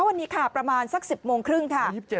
วันนี้ค่ะประมาณสัก๑๐โมงครึ่งค่ะ